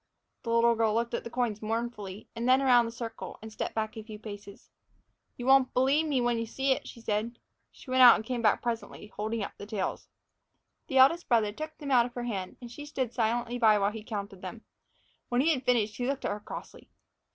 The little girl looked at the coins mournfully, and then around the circle, and stepped back a few paces. "You won't b'lieve me when you see it," she said. She went out and came back presently, holding up the tails. The eldest brother took them out of her hand, and she stood silently by while he counted them. When he had finished, he looked at her crossly.